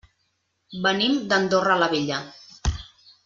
Venim d'Andorra la Vella.